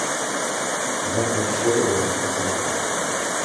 J’approchais de la soixantaine.